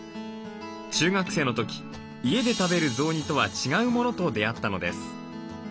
中学生の時家で食べる雑煮とは違うものと出会ったのです。